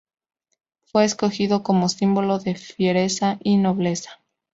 Fue escogido como símbolo de fiereza y nobleza.